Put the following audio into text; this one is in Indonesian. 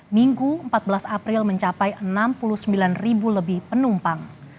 minggu empat belas april mencapai enam puluh sembilan ribu lebih penumpang